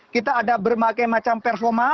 kita ada bermagai macam persoma